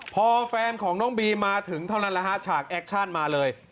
พอแฟนของน้องบีมาถึงเท่านั้นแหละฮะฉากแอคชั่นมาเลย